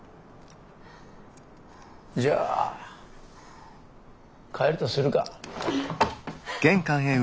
じゃあ帰るとするか。